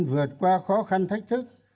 vượt qua khó khăn thách thức